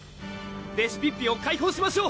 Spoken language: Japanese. レシピッピを解放しましょう！